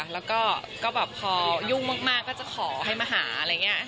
แล้วก็แบบพอยุ่งมากก็จะขอให้มาหาอะไรอย่างนี้